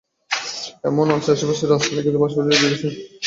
এমনও আছে, আশপাশে রাস্তা নেই, কিন্তু পাশাপাশি দুটি সেতু নির্মাণ করা হয়েছে।